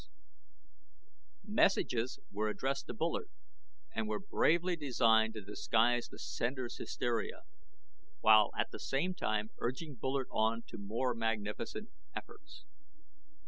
Most messages were addressed to Bullard, and were bravely designed to disguise the senders' hysteria, while at the same time urging Bullard on to more magnificent efforts.